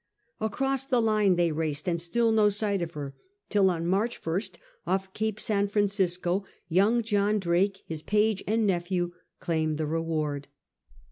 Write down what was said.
Across the line they raced and still no sight of her, till on March 1st off Cape San Francisco young John Drake, his page and nephew, claimed the reward.